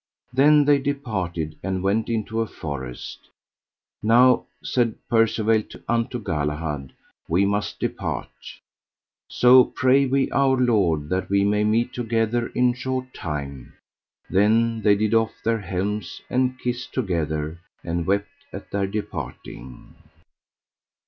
Then they departed and went into a forest. Now, said Percivale unto Galahad, we must depart, so pray we Our Lord that we may meet together in short time: then they did off their helms and kissed together, and wept at their departing.